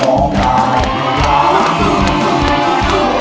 ร้องได้ให้ร้าน